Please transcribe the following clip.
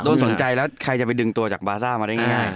สนใจแล้วใครจะไปดึงตัวจากบาซ่ามาได้ง่าย